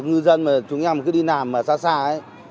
ngư dân mà chúng em cứ đi làm mà xa ấy